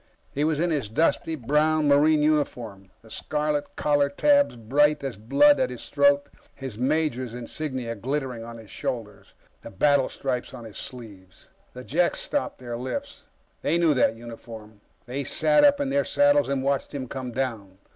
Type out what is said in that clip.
He was in his dusty brown Marine uniform, the scarlet collar tabs bright as blood at his throat, his major's insignia glittering at his shoulders, the battle stripes on his sleeves. The Jeks stopped their lifts. They knew that uniform. They sat up in their saddles and watched him come down.